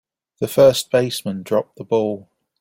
The first baseman dropped the ball.